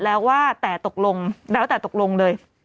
แล้วว่าแต่ตกลงแล้วแต่ตกลงเลย